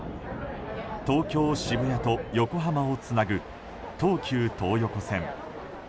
東京・渋谷と横浜をつなぐ東急東横線。